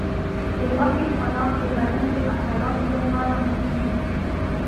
د غوښې خوراک د بدن د عضلاتو لپاره مهم دی.